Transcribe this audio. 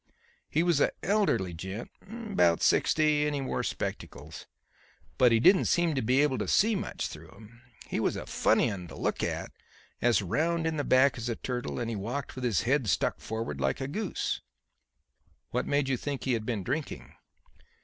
He was a elderly gent, about sixty, and he wore spectacles, but he didn't seem to be able to see much through 'em. He was a funny 'un to look at; as round in the back as a turtle and he walked with his head stuck forward like a goose." "What made you think he had been drinking?"